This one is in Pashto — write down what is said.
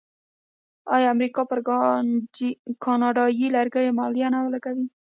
آیا امریکا پر کاناډایی لرګیو مالیه نه لګوي؟